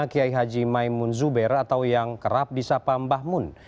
kiai haji maimun zubair atau yang kerap disapam bahmun